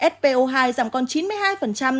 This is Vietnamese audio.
spo hai giảm còn chín mươi hai